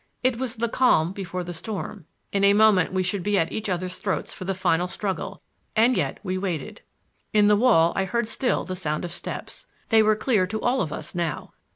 It was the calm before the storm; in a moment we should be at each other's throats for the final struggle, and yet we waited. In the wall I heard still the sound of steps. They were clear to all of us now.